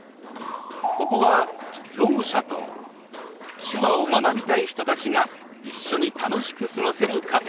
ここはろう者と手話を学びたい人たちが一緒に楽しく過ごせるカフェ。